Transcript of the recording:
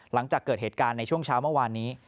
หลังจากเกิดเหตุการณ์ในช่วงเช้าเมื่อวานนี้